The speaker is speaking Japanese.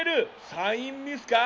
サインミスか？